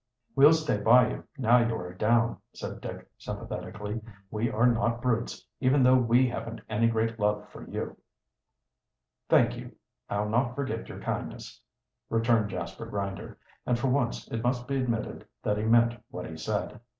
"We'll stay by you, now you are down," said Dick sympathetically. "We are not brutes, even though we haven't any great love for you." "Thank you; I'll not forget your kindness," returned Jasper Grinder, and for once it must be admitted that he meant what he said.